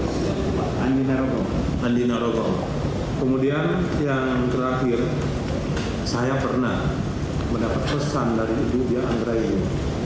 kemudian yang terakhir saya pernah mendapat pesan dari tujuh anggara ini